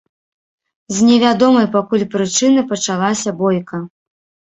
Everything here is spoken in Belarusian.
З не вядомай пакуль прычыны пачалася бойка.